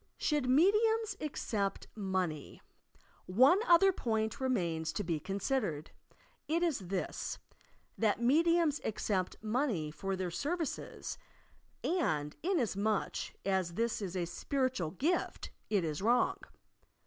SHOULD MEDIUMS ACCEPT MONEY t One other point remains to be considered. It is this, that mediums accept money for their services, and inas much as this is a spiritual gift, it is wrong!